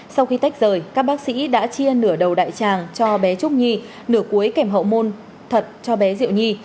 sau khi tách rời các bác sĩ đã chia nửa đầu đại tràng cho bé trúc nhi nửa cuối kèm hậu môn thật cho bé diệu nhi